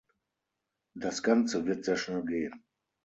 Das Ganze wird sehr schnell gehen.